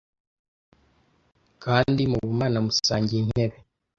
Kandi mubumana musangiye intebe,